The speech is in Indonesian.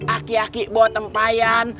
aki aki bawa tempayan